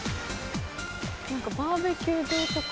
バーベキュー場とか。